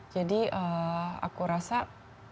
jadi aku rasa tekanan